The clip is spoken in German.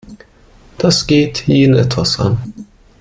Das geht jeden etwas an.